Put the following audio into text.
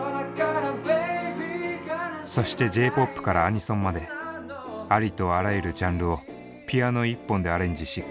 そしてＪーＰＯＰからアニソンまでありとあらゆるジャンルをピアノ１本でアレンジしカバー。